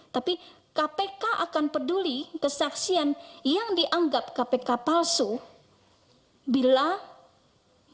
tapi kpk akan peduli kesaksian yang dianggap kpk palsu bila diperlukan